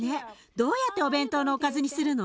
どうやってお弁当のおかずにするの？